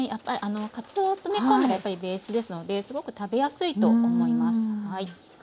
かつおと昆布がやっぱりベースですのですごく食べやすいと思います。